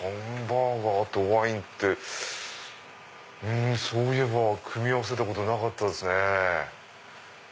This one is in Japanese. ハンバーガーとワインってそういえば組み合わせたことなかったですね。